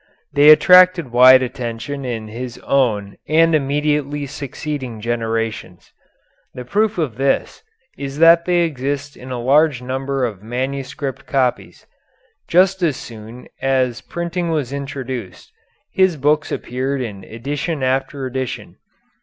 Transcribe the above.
They attracted wide attention in his own and immediately succeeding generations. The proof of this is that they exist in a large number of manuscript copies. Just as soon as printing was introduced his books appeared in edition after edition.